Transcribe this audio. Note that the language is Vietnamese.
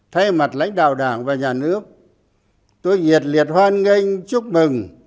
thay mặt lãnh đạo đảng và nhà nước tôi nhiệt liệt hoan nghênh chúc mừng